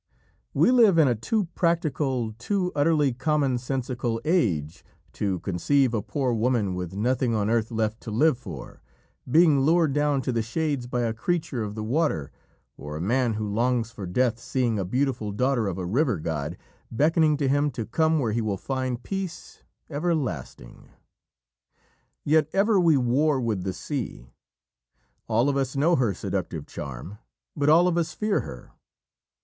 We live in a too practical, too utterly common sensical age to conceive a poor woman with nothing on earth left to live for, being lured down to the Shades by a creature of the water, or a man who longs for death seeing a beautiful daughter of a river god beckoning to him to come where he will find peace everlasting. Yet ever we war with the sea. All of us know her seductive charm, but all of us fear her.